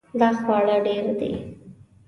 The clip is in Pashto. دا خواړه ډیر دي